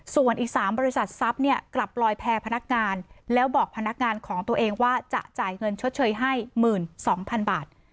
ส่วนอีก๓บริษัททรัพย์เนี่ยกลับลอยแพร่พนักงานแล้วบอกพนักงานของตัวเองว่าจะจ่ายเงินชดเชยให้๑๒๐๐๐บาท